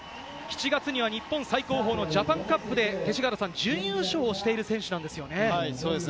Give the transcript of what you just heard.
７月には日本最高峰のジャパンカップで勅使川原さん、準優勝している選手ですよね。